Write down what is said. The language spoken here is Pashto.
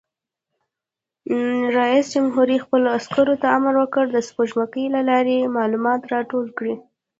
رئیس جمهور خپلو عسکرو ته امر وکړ؛ د سپوږمکۍ له لارې معلومات راټول کړئ!